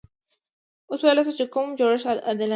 اوس ویلای شو چې کوم جوړښت عادلانه دی.